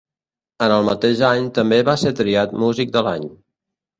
En el mateix any també va ser triat músic de l'any.